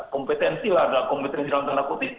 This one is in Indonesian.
kompetensi lah adalah kompetensi dalam tanda kutip